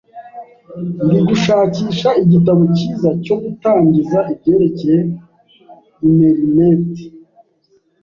Ndi gushakisha igitabo cyiza cyo gutangiza ibyerekeye interineti.